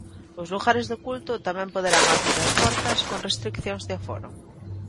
Os lugares de culto tamén poderán abrir as portas con restricións de aforo.